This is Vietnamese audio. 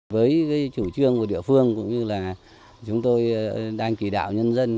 với chủ trương của địa phương cũng như là chúng tôi đang chỉ đạo nhân dân